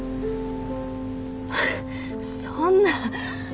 そんな。